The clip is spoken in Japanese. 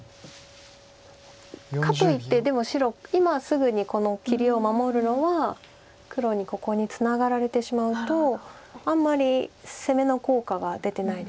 かといってでも白今すぐにこの切りを守るのは黒にここにツナがられてしまうとあんまり攻めの効果が出てないですよね。